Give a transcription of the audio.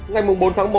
ngay mùng bốn tháng một